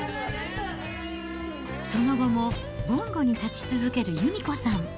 その後もぼんごに立ち続ける由美子さん。